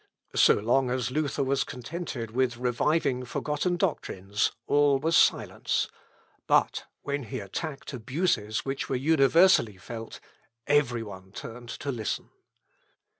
So long as Luther was contented with reviving forgotten doctrines, all was silence; but when he attacked abuses which were universally felt, every one turned to listen.